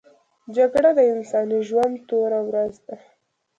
جګړه د انساني ژوند توره ورځ ده